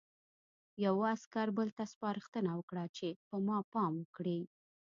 یوه عسکر بل ته سپارښتنه وکړه چې په ما پام وکړي